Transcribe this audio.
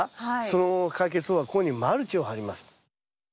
その解決方法はここにマルチを張ります。